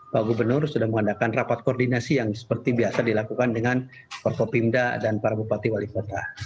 pak gubernur sudah mengadakan rapat koordinasi yang seperti biasa dilakukan dengan forkopimda dan para bupati wali kota